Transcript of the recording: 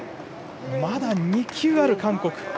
まだ２球ある韓国。